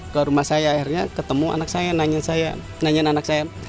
ke rumah saya akhirnya ketemu anak saya nanyain saya nanyain anak saya